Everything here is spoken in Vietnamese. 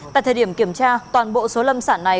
tại thời điểm kiểm tra toàn bộ số lâm sản này